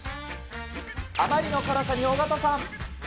あまりの辛さに尾形さん。